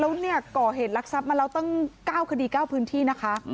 แล้วเนี่ยก่อเหตุลักษัพมาแล้วตั้ง๙คดี๙พื้นที่นะคะ